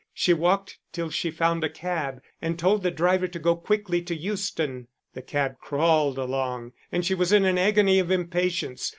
She walked till she found a cab, and told the driver to go quickly to Euston. The cab crawled along, and she was in an agony of impatience.